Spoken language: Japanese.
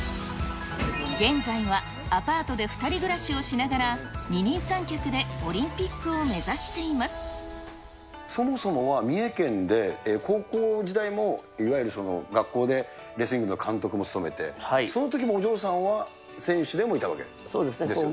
現在はアパートで２人暮らしをしながら、二人三脚でオリンピックそもそもは三重県で、高校時代もいわゆる学校でレスリングの監督も務めて、そのときもお嬢さんは選手でもいたわけですよね？